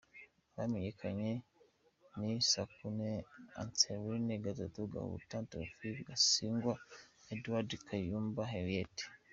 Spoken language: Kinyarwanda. Abamenyekanye ni Sakumi Anselme, Gasatu, Gahutu Theophile, Gasinzigwa Edouard, Kayumba, Henriette.